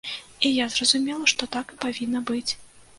І я зразумела, што так і павінна быць.